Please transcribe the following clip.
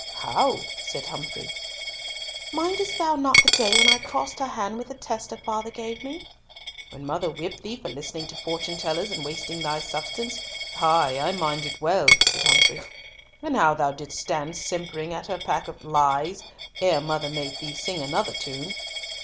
"How?" said Humfrey. "Mindst thou not the day when I crossed her hand with the tester father gave me?" "When mother whipped thee for listening to fortune tellers and wasting thy substance. Ay, I mind it well," said Humfrey, "and how thou didst stand simpering at her pack of lies, ere mother made thee sing another tune."